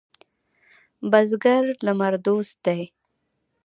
بزګر د لمر دوست دی